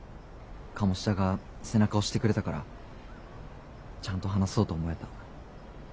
鴨志田が背中押してくれたからちゃんと話そうと思えた。